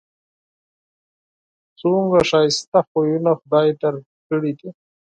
څومره ښایسته خویونه خدای در کړي دي